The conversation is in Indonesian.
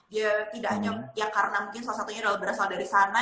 dia tidak hanya ya karena mungkin salah satunya adalah berasal dari sana